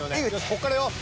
こっからよ。